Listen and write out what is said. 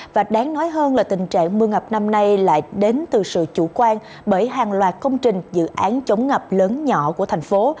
và đáng nói hơn là tình trạng mưa ngập năm nay lại đến từ sự chủ quan bởi hàng loạt công trình dự án chống ngập lớn nhỏ của thành phố